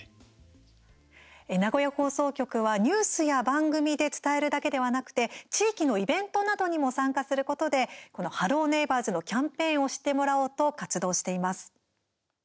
名古屋放送局はニュースや番組で伝えるだけではなくて地域のイベントなどにも参加することでこの「ハロー！ネイバーズ」のキャンペーンを知ってもらおうと活動しています。